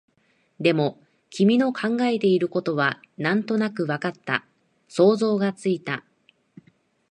でも、君の考えていることはなんとなくわかった、想像がついた